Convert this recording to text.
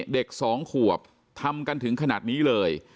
เด็ก๒ขวบทำกันถึงขนาดนี้เลย